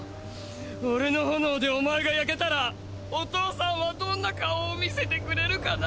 俺の炎でおまえが焼けたらお父さんはどんな顔を見せてくれるかな！？